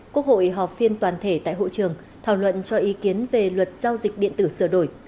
quốc hội họp phiên toàn thể tại hội trường thảo luận cho ý kiến về luật giao dịch điện tử sửa đổi